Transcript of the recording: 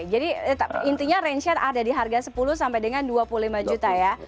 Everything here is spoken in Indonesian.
jadi intinya range set ada di harga sepuluh sampai dengan dua puluh lima juta ya